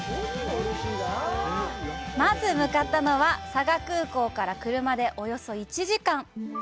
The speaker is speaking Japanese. まず向かったのは佐賀空港から車でおよそ１時間。